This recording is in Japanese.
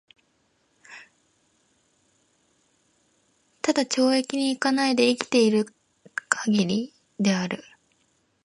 只懲役に行かないで生きて居る許りである。